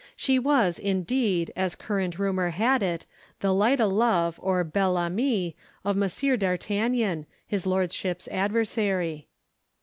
She was, indeed, as current rumour had it, the light o'love or belle amie of Monsieur d'Artagnan, his lordship's adversary.